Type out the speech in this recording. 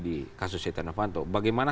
di kasus setia novanto bagaimana